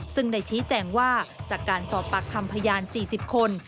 ซึ่งได้ชี้แจงว่าจากการสอบปากคำพยาน๔๐คน